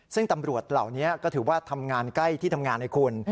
ซึ่งตำรวจเหล่านี้ก็ถือว่าทำงานใกล้ที่ทำงานให้คุณ